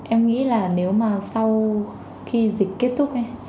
em nghĩ là nếu mà sau khi dịch kết thúc ấy